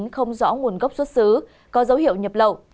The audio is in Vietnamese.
không rõ nguồn gốc xuất xứ có dấu hiệu nhập lậu